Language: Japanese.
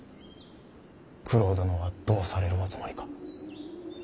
九郎殿はどうされるおつもりか。